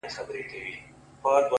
لکه نغمه لکه سيتار خبري ډيري ښې دي _